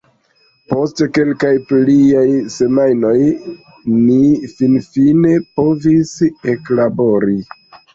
Post kelkaj pliaj semajnoj, ni finfine povis eklabori.